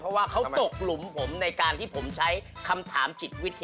เพราะว่าเขาตกหลุมผมในการที่ผมใช้คำถามจิตวิทยา